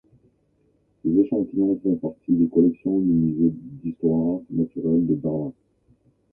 Ces échantillons font partie des collections du musée d'histoire naturelle de Berlin.